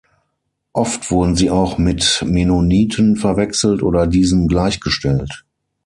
Oft wurden sie auch mit Mennoniten verwechselt oder diesen gleichgestellt.